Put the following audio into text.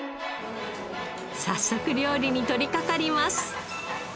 早速料理に取りかかります。